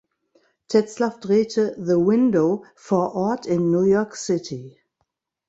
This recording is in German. Tetzlaff drehte "The Window" vor Ort in New York City.